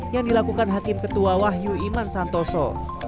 yang dilakukan hakim ketua wahyu iman santoso